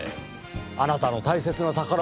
あなたの大切な宝物です。